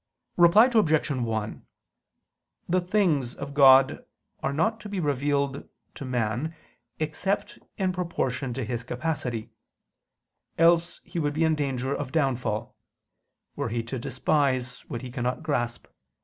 Reply Obj. 1: The things of God are not to be revealed to man except in proportion to his capacity: else he would be in danger of downfall, were he to despise what he cannot grasp.